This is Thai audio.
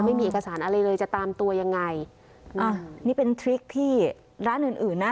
ไม่มีเอกสารอะไรเลยจะตามตัวยังไงอ่ะนี่เป็นทริคที่ร้านอื่นอื่นนะ